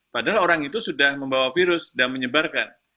padahal orang itu sudah membawa virus dan menyebarkan